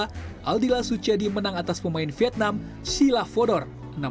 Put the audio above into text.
di babak ke dua aldila suciadi menang atas pemain vietnam sheila vodor enam satu enam dua